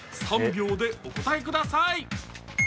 ３秒てお答えください。